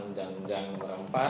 untuk penerbangan perubahan keempat